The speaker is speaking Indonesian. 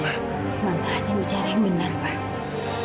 mama hati bicara yang benar pa